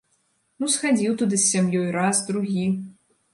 Ну, схадзіў туды з сям'ёй, раз, другі.